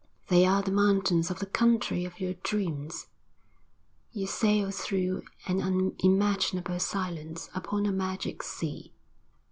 They are the mountains of the country of your dreams. You sail through an unimaginable silence upon a magic sea.